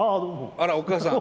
あらお母さん。